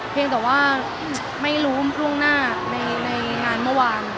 เพียงแต่ว่าไม่รู้ล่วงหน้าในงานเมื่อวาน